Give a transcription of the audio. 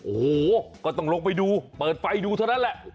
โอ้โหก็ต้องลงไปดูเปิดไฟดูเท่านั้นแหละ